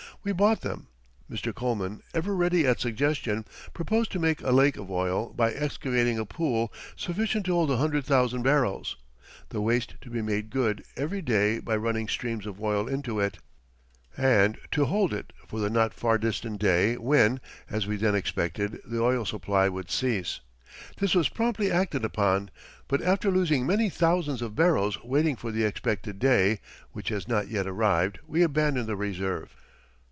We bought them. Mr. Coleman, ever ready at suggestion, proposed to make a lake of oil by excavating a pool sufficient to hold a hundred thousand barrels (the waste to be made good every day by running streams of oil into it), and to hold it for the not far distant day when, as we then expected, the oil supply would cease. This was promptly acted upon, but after losing many thousands of barrels waiting for the expected day (which has not yet arrived) we abandoned the reserve.